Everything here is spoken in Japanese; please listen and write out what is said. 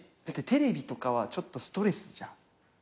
だってテレビとかはちょっとストレスじゃん。